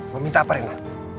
mau minta apa lena